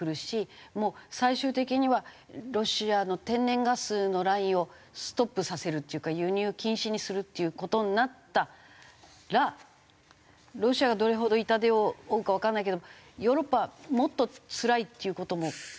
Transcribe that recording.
もう最終的にはロシアの天然ガスのラインをストップさせるっていうか輸入禁止にするっていう事になったらロシアがどれほど痛手を負うかわからないけどヨーロッパはもっとつらいっていう事も。